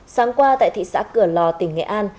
sáng qua tại thị xã cửa lò tỉnh nghệ an